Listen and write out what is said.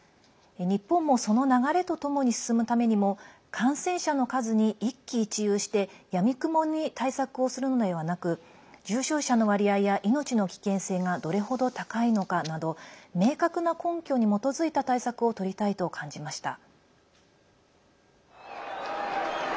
日本もその流れとともに進むためにも感染者の数に一喜一憂してやみくもに対策をするのではなく重症者の割合や命の危険性がどれほど高いのかなど明確な根拠に基づいた対策をとりたいと感じました。